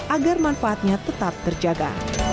agar manfaatnya tetap terjaga